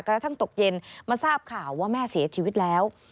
กระทั่งตกเย็นมาทราบข่าวว่าแม่เสียชีวิตแล้ว